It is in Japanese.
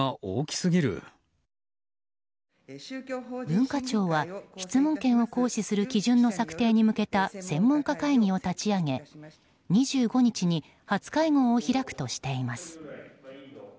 文化庁は質問権を行使する基準の策定に向けた専門家会議を立ち上げ、２５日に初会合を開くとしています。